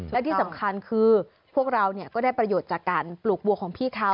และที่สำคัญคือพวกเราก็ได้ประโยชน์จากการปลูกวัวของพี่เขา